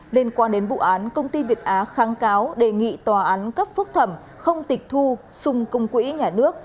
liên quan đến vụ án công ty việt á kháng cáo đề nghị tòa án cấp phúc thẩm không tịch thu xung công quỹ nhà nước